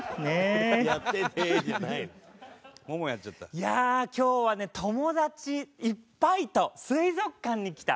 いやあ今日はね友達いっぱいと水族館に来た。